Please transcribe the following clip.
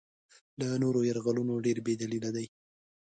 له نورو یرغلونو ډېر بې دلیله دی.